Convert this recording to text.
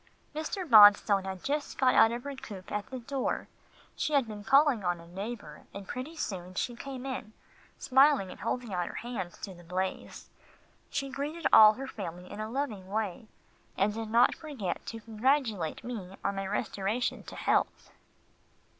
Mrs. Bonstone had just got out of her coupé at the door. She had been calling on a neighbour, and pretty soon she came in, smiling and holding out her hands to the blaze. She greeted all her family in a loving way, and did not forget to congratulate me on my restoration to health.